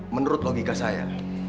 menurut logika saya